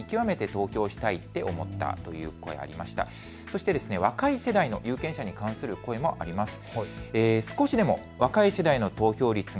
そして若い世代の有権者に関する声もあります。